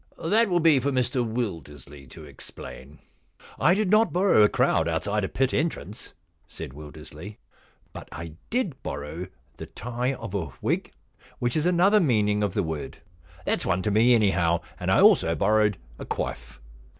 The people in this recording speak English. * That will be for Mr Wildersley to explain.' * I did not borrow a crowd outside a pit entrance,' said Wildersley. * But I did borrow the tie of a wig, which is another meaning of the word. That's one to me, anyhow. And I also borrowed a quoif.'